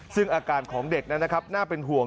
ซึ่งอาการของเด็กนั้นนะครับน่าเป็นห่วง